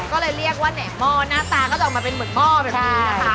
ก็เลยเรียกว่าแหน่หม้อหน้าตาก็จะออกมาเป็นเหมือนหม้อแบบนี้นะคะ